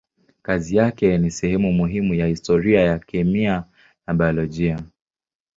Kazi yake ni sehemu muhimu ya historia ya kemia na biolojia.